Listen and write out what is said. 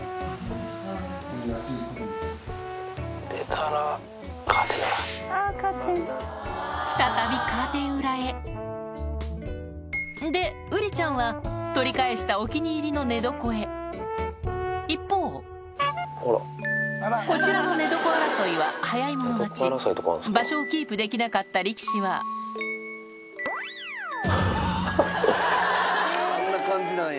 出たらカーテン裏。でウリちゃんは取り返したお気に入りの寝床へ一方こちらの寝床争いは早い者勝ち場所をキープできなかった力士はあんな感じなんや。